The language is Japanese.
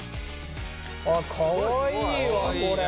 あっかわいいわこれ。